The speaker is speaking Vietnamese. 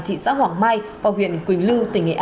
tp hà nội và huyện quỳnh lư